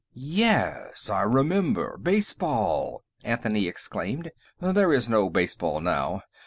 "Yes; I remember! Baseball!" Anthony exclaimed. "There is no baseball, now.